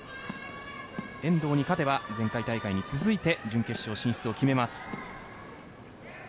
遠藤に勝てば前回大会に続いて準決勝進出を決めます。